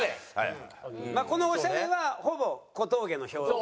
まあこの「オシャレ」はほぼ小峠の票。